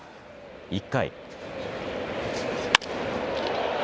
１回。